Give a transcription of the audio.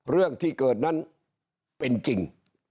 เรื่องที่เกิดนั้นเป็นจริง